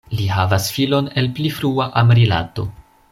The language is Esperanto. Li havas filon el pli frua amrilato.